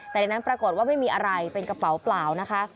แต่ในนั้นปรากฏว่าไม่มีอะไรเป็นกระเป๋าเปล่านะคะ